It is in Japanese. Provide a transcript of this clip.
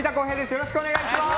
よろしくお願いします。